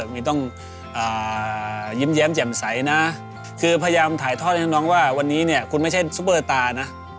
มีต้องยิ้มแย้มแจ่มใสนะคือพยายามถ่ายทอดให้น้องว่าวันนี้เนี่ยคุณไม่ใช่ซุปเปอร์ตาร์นะ